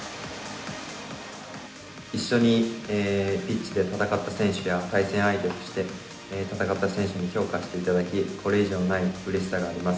一緒にピッチで戦った選手や対戦相手として戦った選手に評価していただき、これ以上ないうれしさがあります。